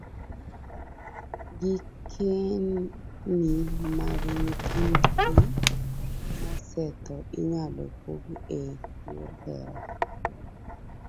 Gikeni mag nyithindgi mosetho inyalo pog e yor hera